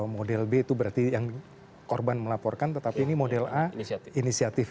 model b itu berarti yang korban melaporkan tetapi ini model a inisiatif